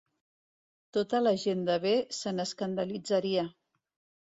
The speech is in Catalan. Tota la gent de bé se n'escandalitzaria.